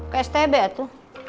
ke stb tuh